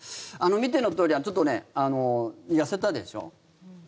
見てのとおりちょっと痩せたでしょ？